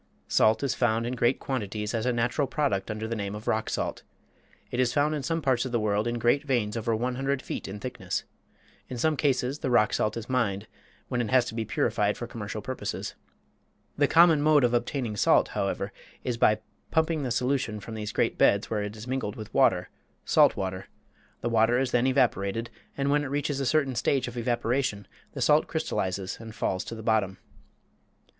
Salt is found in great quantities as a natural product under the name of rock salt. It is found in some parts of the world in great veins over 100 feet in thickness. In some cases the rock salt is mined, when it has to be purified for commercial purposes. The common mode of obtaining salt, however, is by pumping the solution from these great beds where it is mingled with water salt water; the water is then evaporated, and when it reaches a certain stage of evaporation the salt crystallizes and falls to the bottom.